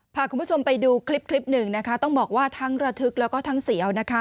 พาคุณผู้ชมไปดูคลิปคลิปหนึ่งนะคะต้องบอกว่าทั้งระทึกแล้วก็ทั้งเสียวนะคะ